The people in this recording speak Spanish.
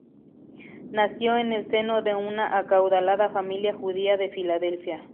Nació en el seno de una acaudalada familia judía de Filadelfia.